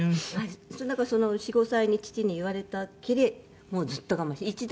だから４５歳に父に言われたっきりもうずっと我慢しています。